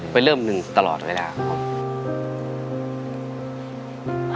เริ่มหนึ่งตลอดเวลาครับผม